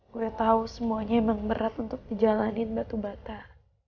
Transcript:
gue tau semuanya emang berat untuk di jalanin batu batar